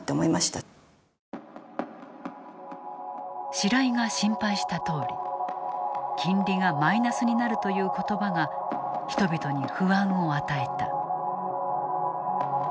白井が心配したとおり金利がマイナスになるという言葉が、人々に不安を与えた。